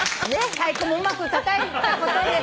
太鼓もうまくたたいたことで。